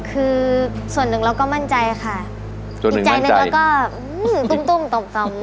คือส่วนหนึ่งเราก็มั่นใจค่ะส่วนหนึ่งมั่นใจอีกใจหนึ่งเราก็ตุ้มตุ้มต่อมต่อม